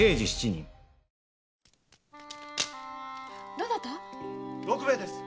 ・どなた⁉・六兵衛です。